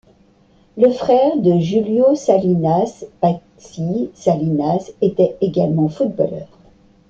Le frère de Julio Salinas, Patxi Salinas, était également footballeur.